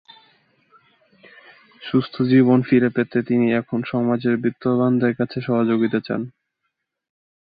সুস্থ জীবন ফিরে পেতে তিনি এখন সমাজের বিত্তবানদের কাছে সহযোগিতা চান।